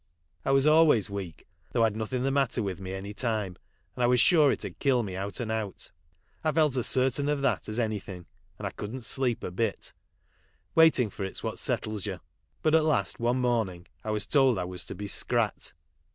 I was always weak, though I'd nothing the matter with me any time, and I was sure it'd kill me out and out. I felt as certain of that as aiivthing, and I couldn't sleep a bit. "Waiting for it; 's what settles you ; but at last one morning I was told I was to bo scrat.